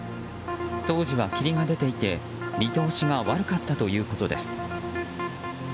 当時は霧が出ていて見通しが悪かったということです。